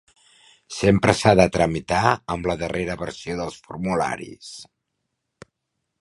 Sempre s'ha de tramitar amb la darrera versió dels formularis.